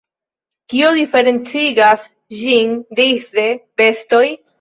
Kio diferencigas ĝin disde bestoj?